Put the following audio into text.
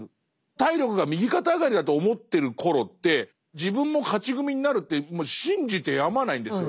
体力が右肩上がりだと思ってる頃って自分も勝ち組になるって信じてやまないんですよね。